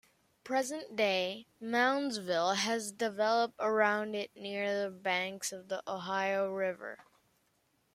Present-day Moundsville has developed around it near the banks of the Ohio River.